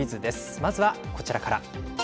まずはこちらから。